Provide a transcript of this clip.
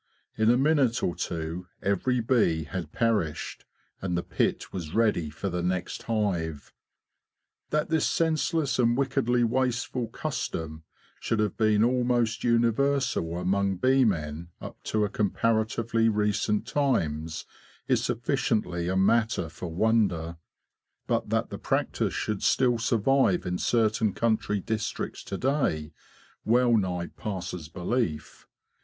In a minute or two every bee had perished, and the pit was ready for the next hive. That this senseless and wickedly wasteful custom should have been almost universal among bee men up to comparatively recent times is sufficiently a matter for wonder; but that the practice should still survive in certain country districts to day well nigh passes belief.